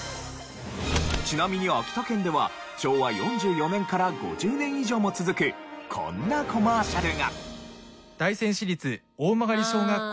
ちなみに秋田県では昭和４４年から５０年以上も続くこんなコマーシャルが。